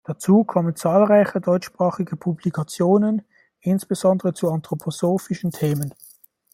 Dazu kommen zahlreiche deutschsprachige Publikationen, insbesondere zu anthroposophischen Themen.